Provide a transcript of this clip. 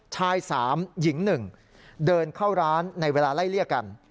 ชาย๓หญิง๑เดินเข้าร้านในเวลาไล่เลี่ยกัน